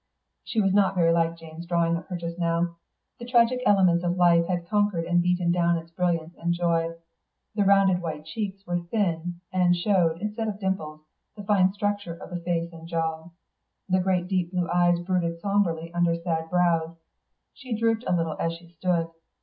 She was not very like Jane's drawing of her just now. The tragic elements of Life had conquered and beaten down its brilliance and joy; the rounded white cheeks were thin, and showed, instead of dimples, the fine structure of the face and jaw; the great deep blue eyes brooded sombrely under sad brows; she drooped a little as she stood.